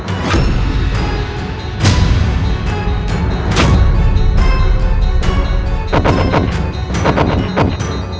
aku akan menang